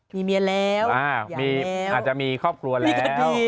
มีเมียแล้วอาจจะมีครอบครัวแล้ว